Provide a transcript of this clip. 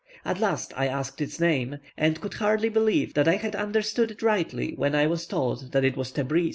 At last I asked its name, and could hardly believe that I had understood it rightly when I was told that it was Tebris.